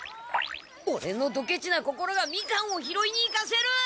オレのドケチな心がみかんをひろいに行かせる！